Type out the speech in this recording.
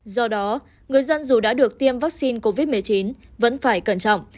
do đó người dân dù đã được tiêm vaccine covid một mươi chín vẫn phải cẩn trọng